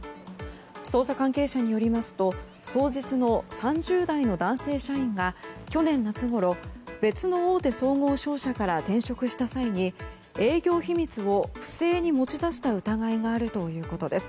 捜査関係者によりますと双日の３０代の男性社員が去年夏ごろ、別の大手総合商社から転職した際に営業秘密を不正に持ち出した疑いがあるということです。